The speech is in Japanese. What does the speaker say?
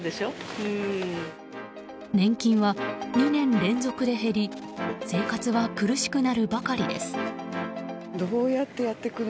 年金は２年連続で減り生活は苦しくなるばかりです。